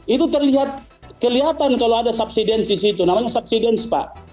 itu terlihat kelihatan kalau ada subsidence di situ namanya subsidence pak